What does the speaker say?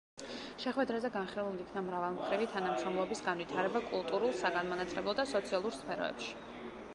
შეხვედრაზე განხილულ იქნა მრავალმხრივი თანამშრომლობის განვითარება კულტურულ, საგანმანათლებლო და სოციალურ სფეროებში.